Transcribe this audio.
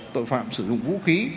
tội phạm sử dụng vũ khí